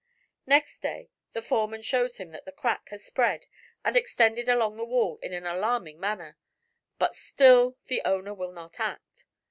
Next day the foreman shows him that the crack has spread and extended along the wall in an alarming manner but still the owner will not act.